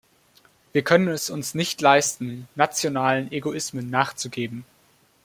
Wir können es uns nicht leisten, nationalen Egoismen nachzugeben.